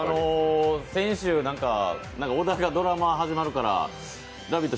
先週、小田がドラマ始まるから「ラヴィット！」